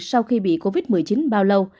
sau khi bị covid một mươi chín bao lâu